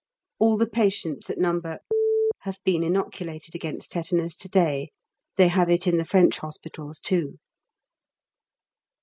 All the patients at No. have been inoculated against tetanus to day. They have it in the French Hospitals too.